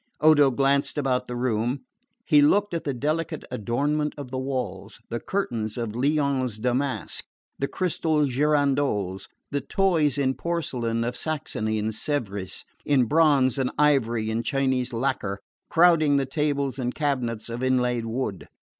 Odo glanced about the room. He looked at the delicate adornment of the walls, the curtains of Lyons damask, the crystal girandoles, the toys in porcelain of Saxony and Sevres, in bronze and ivory and Chinese lacquer, crowding the tables and cabinets of inlaid wood.